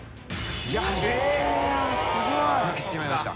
やはり負けてしまいました。